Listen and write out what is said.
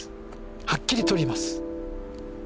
はっきり取ります！